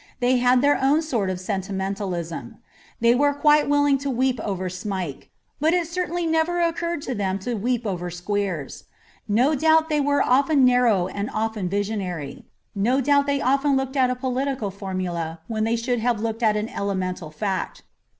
They had their own sort of sentimentalism. They were quite willing to weep over Smike. But it certainly never occurred to them to weep over Squeers. No doubt they were often narrow and often visionary. No doubt they often looked at a political formula when they should have looked at an elemental fact.